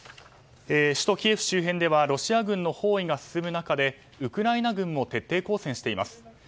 首都キエフ周辺ではロシア軍の包囲が進む中でウクライナ軍も徹底抗戦しています。